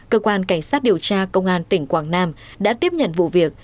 cơ quan cảnh sát điều tra công an tỉnh quảng nam đã tiếp nhận vụ việc